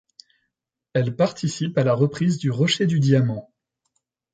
Elle participe à la reprise du rocher du Diamant.